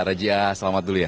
rajia selamat dulu ya